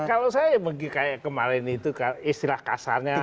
kalau saya kayak kemarin itu istilah kasarnya